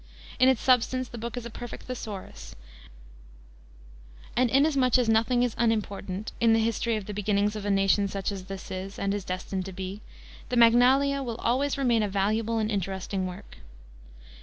In its substance the book is a perfect thesaurus; and inasmuch as nothing is unimportant in the history of the beginnings of such a nation as this is and is destined to be, the Magnalia will always remain a valuable and interesting work.